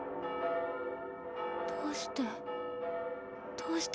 どうして？